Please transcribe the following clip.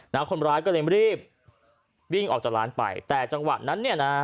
คนร้ายก็เลยรีบวิ่งออกจากร้านไปแต่จังหวะนั้นเนี่ยนะ